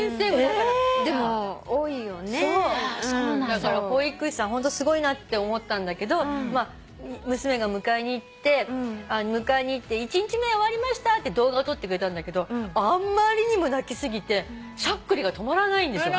だから保育士さんホントすごいなって思ったんだけど娘が迎えに行って１日目終わりましたって動画を撮ってくれたんだけどあまりにも泣き過ぎてしゃっくりが止まらないんですよ。